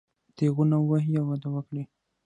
تېغونه ووهي او وده وکړي.